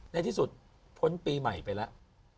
ในที่สุดพ้นปีใหม่ไปแล้ว